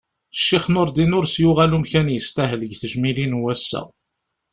Ccix Nurdin ur s-yuɣal umkan yestahel deg tejmilin n wassa.